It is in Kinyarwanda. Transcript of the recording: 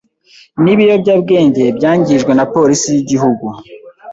n’ibiyobyabwenge byangijwe na polisi yigihugu